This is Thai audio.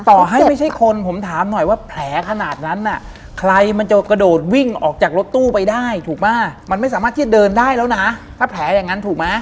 ต่อให้ไม่ใช่คนผมถามหน่อยว่าแผลขนาดนั้นน่ะใครมันจะกระโดดวิ่งออกจากรถตู้ไปได้ถูกป่ะมันไม่สามารถที่จะเดินได้แล้วนะถ้าแผลอย่างนั้นถูกไหม